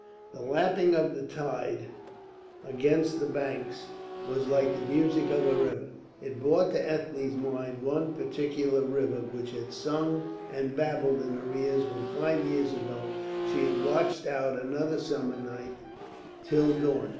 The lapping of the tide against the banks was like the music of a river. It brought to Ethne's mind one particular river which had sung and babbled in her ears when five years ago she had watched out another summer night till dawn.